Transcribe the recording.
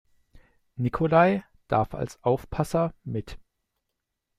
Nikolai darf als Aufpasser mit.